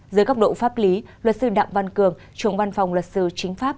dưới góc độ pháp lý luật sư đặng văn cường trưởng văn phòng luật sư chính pháp